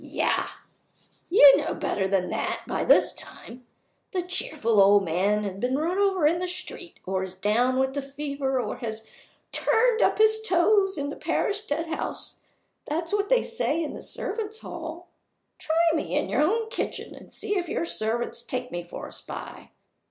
Yah! you know better than that, by this time. The cheerful old man has been run over in the street, or is down with the fever, or has turned up his toes in the parish dead house that's what they say in the servants' hall. Try me in your own kitchen, and see if your servants take me for a spy.